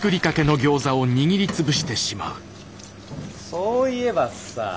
そういえばさ